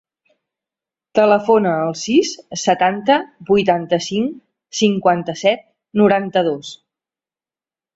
Telefona al sis, setanta, vuitanta-cinc, cinquanta-set, noranta-dos.